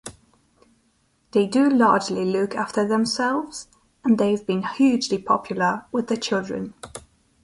They do largely look after themselves and they've been hugely popular with the children.